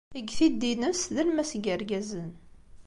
Deg tiddi-ines d alemmas n yirgazen.